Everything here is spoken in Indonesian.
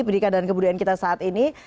pendidikan dan kebudayaan kita saat ini